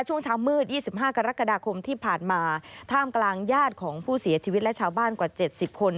ช่วงเช้ามืด๒๕กรกฎาคมที่ผ่านมาท่ามกลางญาติของผู้เสียชีวิตและชาวบ้านกว่า๗๐คน